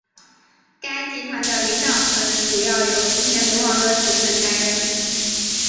该集团的领导层主要由之前流亡的学生担任。